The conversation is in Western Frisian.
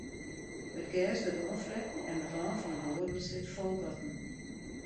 It gers wurdt oanfretten en it lân fan de boeren sit fol gatten.